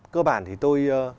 cơ bản thì tôi